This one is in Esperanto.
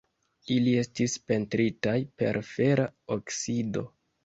Ili estis pentritaj per fera oksido.